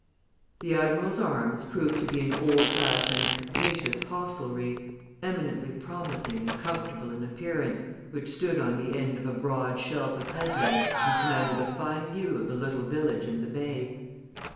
The "Admiral's Arms" proved to be an old fashioned, capacious hostelry, eminently promising and comfortable in appearance, which stood on the edge of a broad shelf of headland, and commanded a fine view of the little village and the bay.